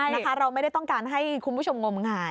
นะคะเราไม่ได้ต้องการให้คุณผู้ชมงมงาย